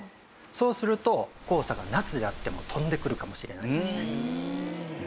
そうすると黄砂が夏であっても飛んでくるかもしれないんですね。